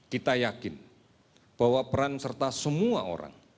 kita yakin bahwa peran serta semua orang